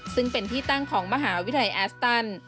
ซึ่งเป็นที่ตั้งของมหาวิทยาลัยแอสตัน